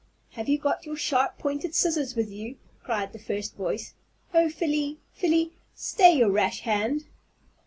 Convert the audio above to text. "Have you got your sharp pointed scissors with you?" cried the first voice. "Oh, Felie, Felie, stay your rash hand."